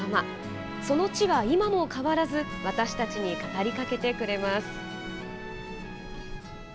その地は今も変わらず私たちに語りかけてくれます。